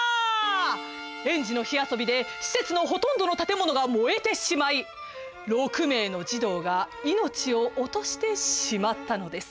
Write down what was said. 園児の火遊びで施設のほとんどの建物が燃えてしまい６名の児童が命を落としてしまったのです。